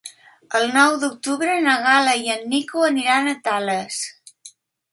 El nou d'octubre na Gal·la i en Nico aniran a Tales.